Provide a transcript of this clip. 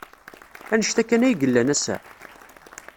Anect-a kan ay yellan ass-a?